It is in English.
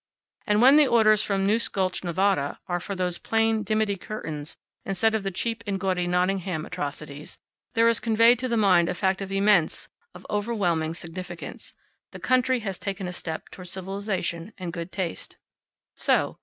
And when the orders from Noose Gulch, Nevada, are for those plain dimity curtains instead of the cheap and gaudy Nottingham atrocities, there is conveyed to the mind a fact of immense, of overwhelming significance. The country has taken a step toward civilization and good taste. So.